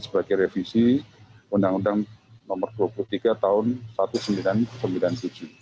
sebagai revisi undang undang nomor dua puluh tiga tahun seribu sembilan ratus sembilan puluh tujuh